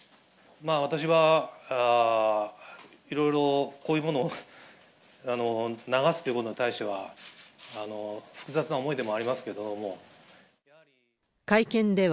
まあ、私はいろいろ、こういうものを流すということに対しては、複雑な思いでもありますけれども、もう。